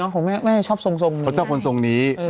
ของแม่ชอบทรงนี้